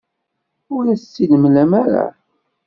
Ur as-tt-id-temlam ara.